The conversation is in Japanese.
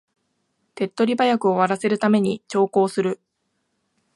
手っ取り早く終わらせるために長考する